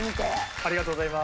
ありがとうございます。